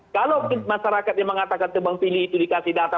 kalau masyarakat yang mengatakan tebang pilih itu dikasih data